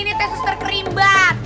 ini teh suster kerimban